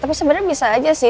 tapi sebenarnya bisa aja sih